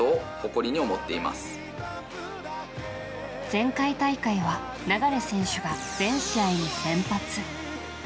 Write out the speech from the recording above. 前回大会は、流選手が全試合で先発。